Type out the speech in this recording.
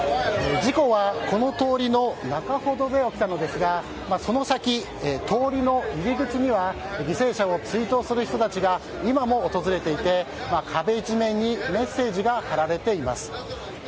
事故はこの通りの中ほどで起きたのですがその先、通りの入り口には犠牲者を追悼する人たちが今も訪れていて壁一面にメッセージが貼られています。